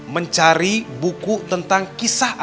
mencari buku tentang kisah kisah yang berbeda dengan kita